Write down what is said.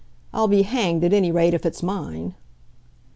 I'll be hanged, at any rate, if it's mine."